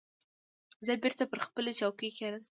زه بېرته پر خپلې چوکۍ کېناستم.